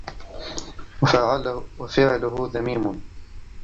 وَفِعْلُهُ ذَمِيمٌ